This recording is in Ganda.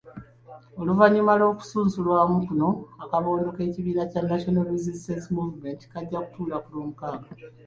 Oluvannyuma lw’okusunsulwamu kuno, akabondo k’ekibiina kya National Resistance Movement kajja kutuula ku Lwomukaaga.